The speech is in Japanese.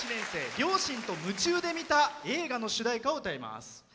両親と夢中で見た映画の主題歌を歌います。